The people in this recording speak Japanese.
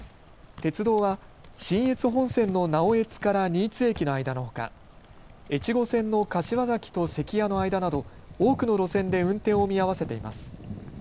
鉄道は信越本線の直江津から新津駅の間の他越後線の柏崎と関屋の間など多くの路線で運転を見合わせています。